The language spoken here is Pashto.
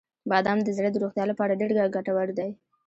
• بادام د زړه د روغتیا لپاره ډیره ګټور دی.